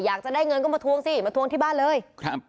อยากจะได้เงินก็มาทวงสิมาทวงที่บ้านเลยครับ